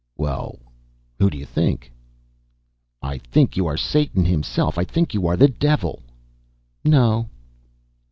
"Well, who do you think?" "I think you are Satan himself. I think you are the devil." "No."